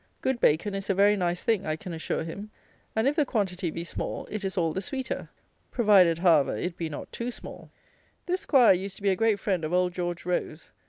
Good bacon is a very nice thing, I can assure him; and, if the quantity be small, it is all the sweeter; provided, however, it be not too small. This 'Squire used to be a great friend of Old George Rose.